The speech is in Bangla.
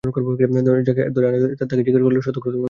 যাঁকে ধরে আনা হয়েছিল, তাঁকে জিজ্ঞেস করলেই সত্য ঘটনা জানা যাবে।